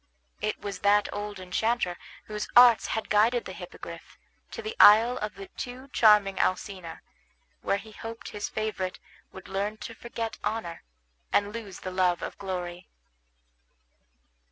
It was that old enchanter whose arts had guided the Hippogriff to the isle of the too charming Alcina, where he hoped his favorite would learn to forget honor, and lose the love of glory.